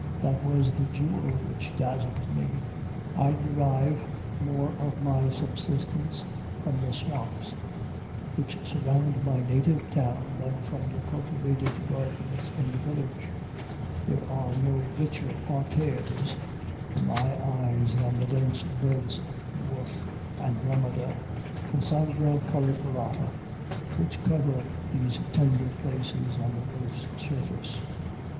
That was the jewel which dazzled me. I derive more of my subsistence from the swamps which surround my native town than from the cultivated gardens in the village. There are no richer parterres to my eyes than the dense beds of dwarf andromeda (Cassandra calyculata) which cover these tender places on the earth's surface.